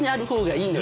いいの。